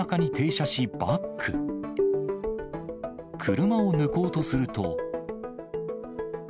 車を抜こうとすると。